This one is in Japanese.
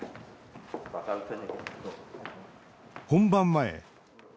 本番前。